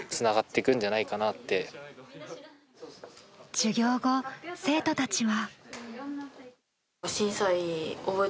授業後、生徒たちは。